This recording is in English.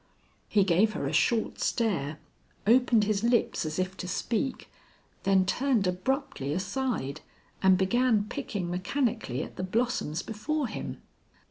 He gave her a short stare, opened his lips as if to speak, then turned abruptly aside and began picking mechanically at the blossoms before him.